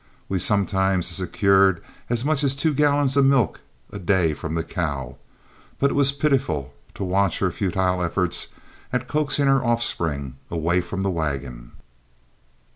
We sometimes secured as much as two gallons of milk a day from the cow, but it was pitiful to watch her futile efforts at coaxing her offspring away from the wagon.